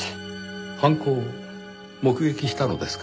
犯行を目撃したのですか？